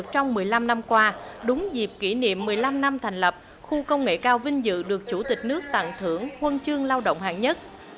trong dịp kỷ niệm một mươi năm năm thành lập khu công nghệ cao vinh dự được chủ tịch nước tặng thưởng huân chương lao động hạng nhất